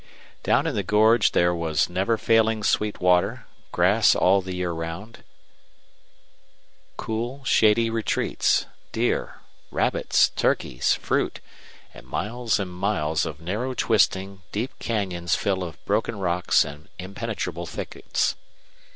Down in the gorge there was never failing sweet water, grass all the year round, cool, shady retreats, deer, rabbits, turkeys, fruit, and miles and miles of narrow twisting, deep canyon full of broken rocks and impenetrable thickets.